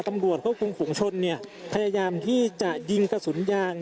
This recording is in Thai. ตำรวจควบคุมฝุงชนเนี่ยพยายามที่จะยิงกระสุนยาง